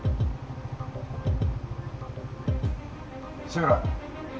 志村